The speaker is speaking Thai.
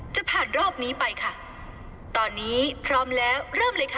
จะผ่านรอบนี้ไปค่ะตอนนี้พร้อมแล้วเริ่มเลยค่ะ